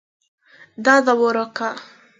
دا دوا راکه.